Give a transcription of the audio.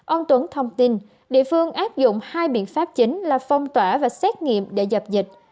ông tuấn thông tin địa phương áp dụng hai biện pháp chính là phong tỏa và xét nghiệm để dập dịch